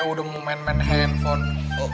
udah mau main main handphone